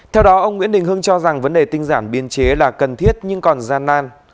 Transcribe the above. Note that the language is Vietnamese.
theo đó ông nguyễn đình hưng cho rằng vấn đề tinh giản biên chế là cần thiết nhưng còn gian nan